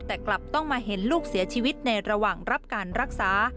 แต่กลับต้องมาเห็นลูกเสียชีวิตในระหว่างรับการรักษา